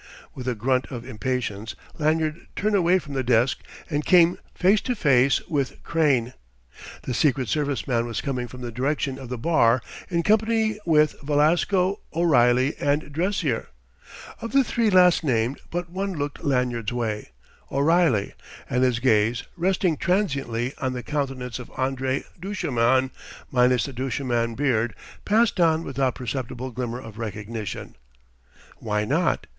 With a grunt of impatience Lanyard turned away from the desk, and came face to face with Crane. The Secret Service man was coming from the direction of the bar in company with Velasco, O'Reilly, and Dressier. Of the three last named but one looked Lanyard's way, O'Reilly, and his gaze, resting transiently on the countenance of André Duchemin minus the Duchemin beard, passed on without perceptible glimmer of recognition. Why not?